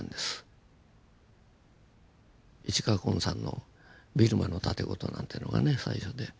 市川崑さんの「ビルマの竪琴」なんてのがね最初で。